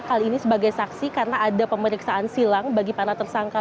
kali ini sebagai saksi karena ada pemeriksaan silang bagi para tersangka